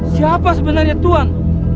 siapa sebenarnya tuan